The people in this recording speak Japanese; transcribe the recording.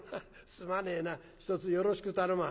「すまねえなひとつよろしく頼むわ」。